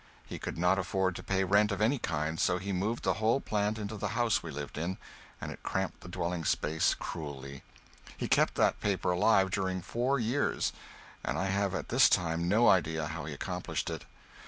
He could not afford to pay rent of any kind, so he moved the whole plant into the house we lived in, and it cramped the dwelling place cruelly. He kept that paper alive during four years, but I have at this time no idea how he accomplished it.